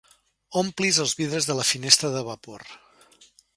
Omplis els vidres de la finestra de vapor.